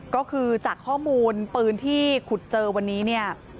ก็คือจากข้อมูลปืนที่ขุดเจอวันนี้เนี่ย